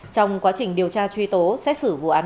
trong quá trình điều tra truy tố xét xử vụ án